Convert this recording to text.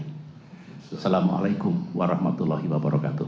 assalamu'alaikum warahmatullahi wabarakatuh